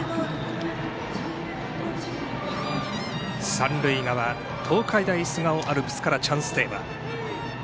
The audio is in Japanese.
三塁側東海大菅生アルプスからチャンステーマ。